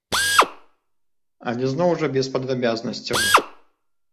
Але зноў жа без падрабязнасцяў.